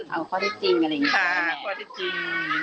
เอาข้อจริงนี่